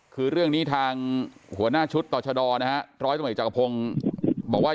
คือเรื่องนี้ทางหัวหน้าชุดต่อชะดอนะฮะร้อยตำรวจเอกจักรพงศ์บอกว่า